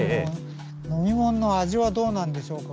飲み物の味はどうなんでしょうか。